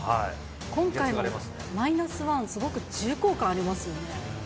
今回もマイナスワンはすごく重厚感がありますよね。